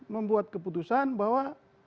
membuat keputusan bahwa